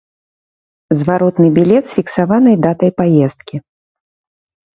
Зваротны білет з фіксаванай датай паездкі.